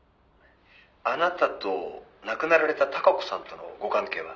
「あなたと亡くなられた孝子さんとのご関係は？」